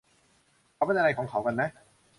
เขาเป็นอะไรของเขากันนะ